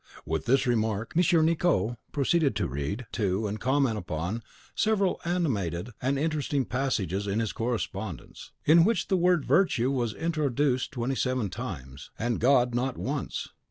With this remark, Monsieur Nicot proceeded to read and to comment upon several animated and interesting passages in his correspondence, in which the word virtue was introduced twenty seven times, and God not once.